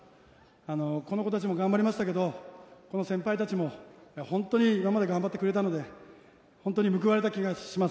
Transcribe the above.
この子たちも頑張りましたけどこの先輩たちも本当に今まで頑張ってくれたので本当に報われた気がします。